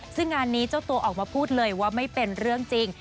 ซึ่งงานนี้เจ้าตัวออกมาพูดเลยว่าไม่เป็นเรื่องจริง